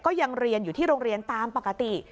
ก็ยังเรียนอยู่ที่โรงเรียนตามปกติ